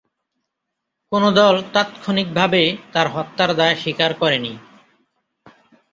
কোন দল তাৎক্ষণিকভাবে তার হত্যার দায় স্বীকার করে নি।